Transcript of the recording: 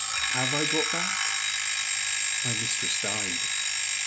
Have I got back?' My mistress died.